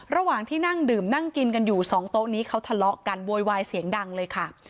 ระหว่างที่นั่งดื่มนั่งกินกันอยู่สองโต๊ะนี้เขาทะเลาะกันโวยวายเสียงดังเลยค่ะ